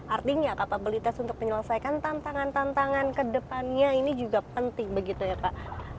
artinya kapabilitas untuk menyelesaikan tantangan tantangan kedepannya ini juga penting begitu ya pak